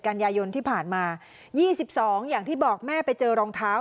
กันยายนที่ผ่านมา๒๒อย่างที่บอกแม่ไปเจอรองเท้า